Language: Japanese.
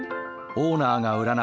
オーナーが占う